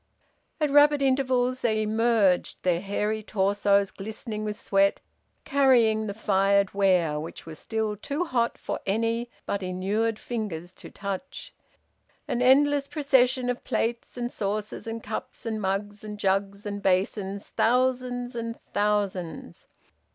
At rapid intervals they emerged, their hairy torsos glistening with sweat, carrying the fired ware, which was still too hot for any but inured fingers to touch: an endless procession of plates and saucers and cups and mugs and jugs and basins, thousands and thousands!